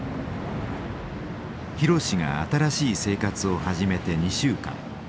博が新しい生活を始めて２週間。